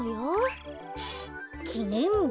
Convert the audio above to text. きねんび？